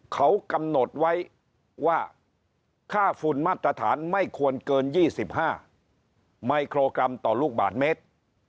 เขากำหนดไว้ว่าค่าฝุ่นมาตรฐานไม่ควรเกิน๒๕ไมโครกรัมต่อลูกบาทเมตร